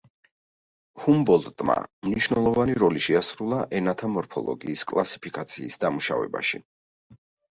ჰუმბოლდტმა მნიშვნელოვანი როლი შეასრულა ენათა მორფოლოგიის კლასიფიკაციის დამუშავებაში.